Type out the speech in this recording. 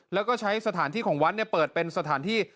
แล้วก็ใช้สถานที่ของวัดเปิดเป็นสถานที่